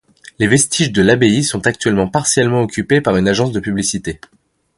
Les vestiges de l'abbaye sont actuellement partiellement occupés par une agence de publicité.